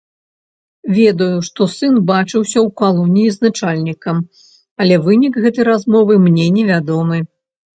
Ведаю, што сын бачыўся ў калоніі з начальнікам, але вынік гэтай размовы мне невядомы.